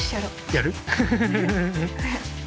やる？